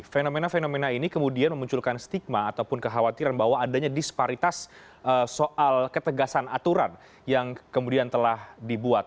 fenomena fenomena ini kemudian memunculkan stigma ataupun kekhawatiran bahwa adanya disparitas soal ketegasan aturan yang kemudian telah dibuat